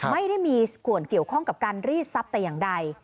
ไม่ได้มีส่วนเกี่ยวข้องกับการรีดทรัพย์แต่อย่างใด